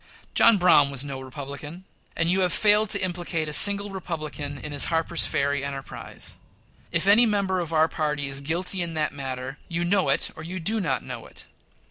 John Brown was no Republican; and you have failed to implicate a single Republican in his Harper's Ferry enterprise. If any member of our party is guilty in that matter you know it or you do not know it.